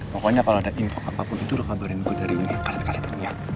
pokoknya kalau ada info kebapu gitu lu kabarin gue dari ini kaset kaset ya